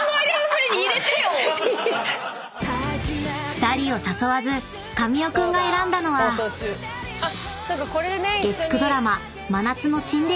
［２人を誘わず神尾君が選んだのは月９ドラマ『真夏のシンデレラ』で共演中